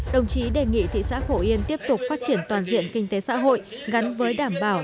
đồng chí đề nghị thị xã phổ yên tiếp tục phát triển toàn diện kinh tế xã hội gắn với đảm bảo